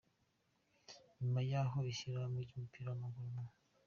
Nyuma y’aho ishyirahamwe ry’umupira w’amaguru mu.